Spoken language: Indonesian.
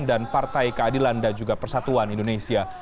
dan partai keadilan dan juga persatuan indonesia